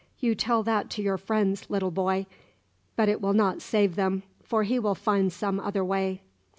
You tell that to your friends, little boy. But it will not save them: for he will find some other way."